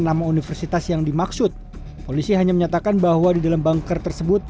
nama universitas yang dimaksud polisi hanya menyatakan bahwa di dalam bunker tersebut